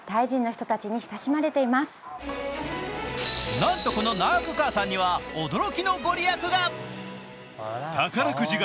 なんと、このナーク母さんには驚きのご利益が。